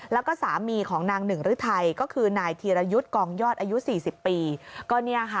แล้วก็สามีของนางหนึ่งฤทัยก็คือนายธีรยุทธ์กองยอดอายุ๔๐ปี